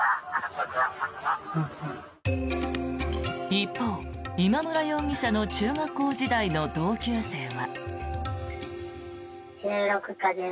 一方、今村容疑者の中学校時代の同級生は。